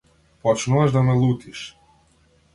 Почнуваш да ме лутиш.